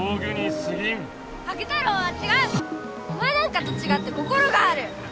おまえなんかとちがって心がある！